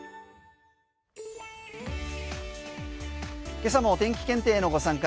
今朝もお天気検定のご参加